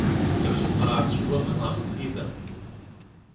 Tres tqerɛet n waman ɣef tgida.